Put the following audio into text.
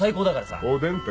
おでん定？